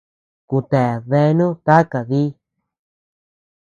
Ku ta deanu taka di.